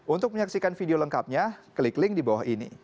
untuk menyaksikan video lengkapnya klik link di bawah ini